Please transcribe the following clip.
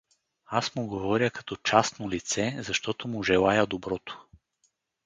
Аз му говоря като частно лице, защото му желая доброто.